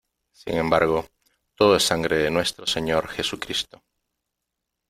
sin embargo , todo es sangre de Nuestro Señor Jesucristo .